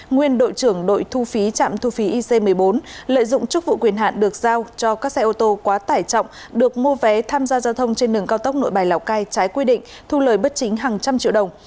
nguyên đội trưởng đội thu phí trạm thu phí ic một mươi bốn lợi dụng chức vụ quyền hạn được giao cho các xe ô tô quá tải trọng được mua vé tham gia giao thông trên đường cao tốc nội bài lào cai trái quy định thu lời bất chính hàng trăm triệu đồng